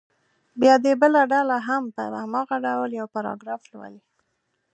بیا دې بله ډله هم په هماغه ډول یو پاراګراف ولولي.